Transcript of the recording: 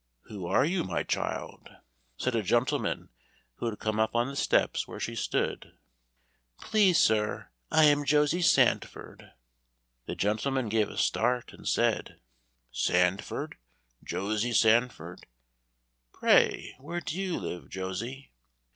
"Who are you, my child?" said a gentleman who had come up on the steps where she stood. "Please, sir, I am Josie Sandford." The gentleman gave a start and said, "Sandford, Josie Sandford? Pray where do you live, Josie?"